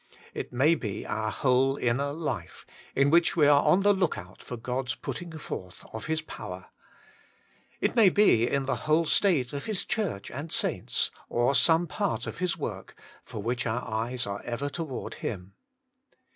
It may be our whole inner life, in which we are on the lookout for God's putting forth of His power. It may be the whole state of His Church and saints, or some part of His work, for which our eyes are ever toward Him.